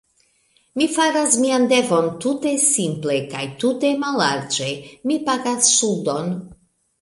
Mi faras mian devon tute simple kaj tute mallarĝe; mi pagas ŝuldon.